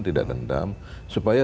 tidak dendam supaya